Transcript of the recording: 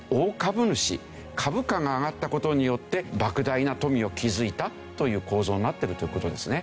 株価が上がった事によって莫大な富を築いたという構造になってるという事ですね。